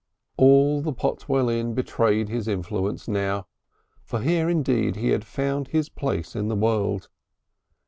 All the Potwell Inn betrayed his influence now, for here indeed he had found his place in the world.